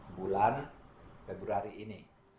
dua puluh dua bulan februari ini